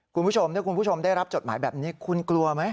คุณผู้ชมถ้าคุณผู้ชมได้รับจดหมายแบบนี้คุณกลัวไหม